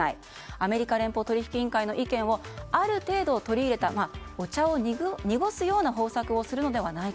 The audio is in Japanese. アメリカ連邦取引委員会の意見をある程度取り入れたお茶を濁すような方策をするのではと。